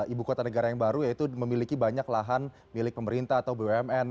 ibu kota negara yang baru yaitu memiliki banyak lahan milik pemerintah atau bumn